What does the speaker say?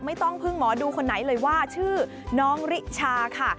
ไม่ต้องพึ่งหมอดูคนไหนเลยว่าชื่อน้องริชาค่ะ